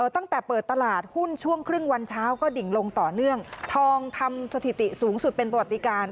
ตั้งแต่เปิดตลาดหุ้นช่วงครึ่งวันเช้าก็ดิ่งลงต่อเนื่องทองทำสถิติสูงสุดเป็นประวัติการ